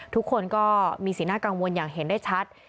ทุกคนก็มีสีหน้ากังวลอย่างเห็นได้ชัด